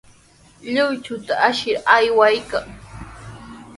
Lluychuta ashir aywaykan.